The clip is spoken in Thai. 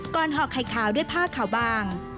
ห่อไข่ขาวด้วยผ้าขาวบาง